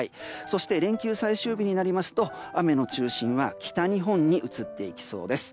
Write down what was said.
そして連休最終日になりますと雨の中心は北日本に移っていきそうです。